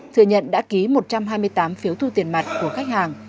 thừa nhận đã ký một trăm hai mươi tám phiếu thu tiền mặt của khách hàng